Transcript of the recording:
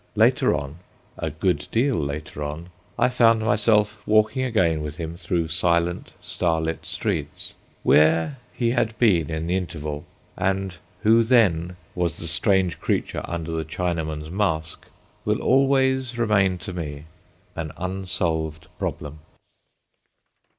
Later on—a good deal later on—I found myself walking again with him through silent star lit streets. Where he had been in the interval, and who then was the strange creature under the Chinaman's mask, will always remain to me an unsolved problem.